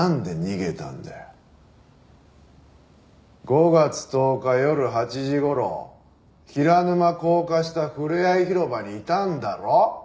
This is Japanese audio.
５月１０日夜８時頃平沼高架下ふれあい広場にいたんだろ？